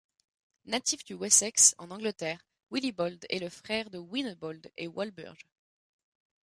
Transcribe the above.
Natif du Wessex, en Angleterre, Willibald est le frère de Winnebald et de Walburge.